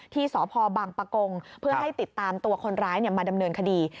ที่สพบังปะกงเพื่อให้ติดตามตัวคนร้ายมาดำเนินคดี